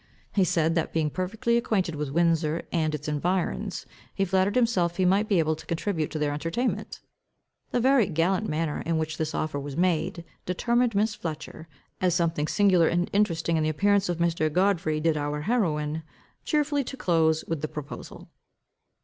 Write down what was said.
He said, that being perfectly acquainted with Windsor and its environs, he flattered himself he might be able to contribute to their entertainment. The very gallant manner in which this offer was made, determined Miss Fletcher, as something singular and interesting in the appearance of Mr. Godfrey did our heroine, cheerfully to close with the proposal.